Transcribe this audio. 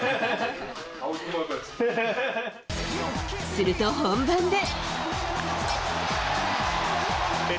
すると本番で。